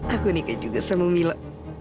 aku nikah juga sama milo